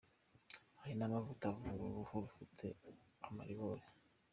Hari n’amavuta avura uruhu rufite amaribori.